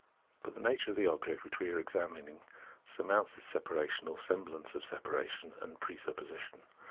But the nature of the object which we are examining surmounts this separation, or semblance of separation, 84 Phenomenology of Mind and presupposition.